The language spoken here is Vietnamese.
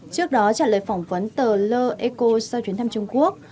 trước đó trả lời phỏng vấn tờ le ecos sau chuyến thăm trung quốc